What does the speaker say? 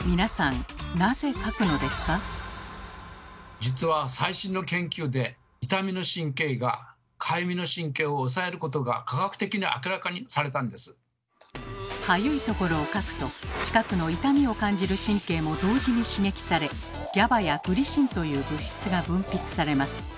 実は最新の研究でかゆいところをかくと近くの痛みを感じる神経も同時に刺激されＧＡＢＡやグリシンという物質が分泌されます。